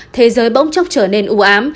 thế giới bỗng chốc trở nên ưu ám